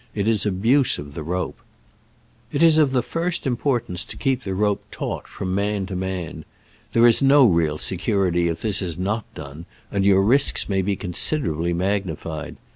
It is abuse of the rope. It is of the first importance to keep the rope taut from man to man. There is no real security if this is not done, and your risks may be considerably magni fied.